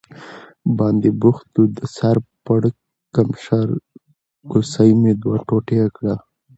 باندې بوخت و، د سر پړکمشر کوسۍ مې دوه ټوټې کړه.